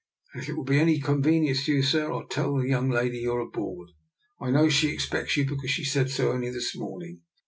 If it will be any con venience to you, sir, I'll tell the young lady you're aboard. I know she expects you, be cause she said so only this morning."